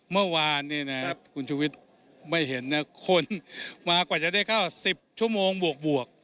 เมื่อวานเนี่ยนะคุณชุวิตไม่เห็นนะคนมากว่าจะได้เข้า๑๐ชั่วโมงบวก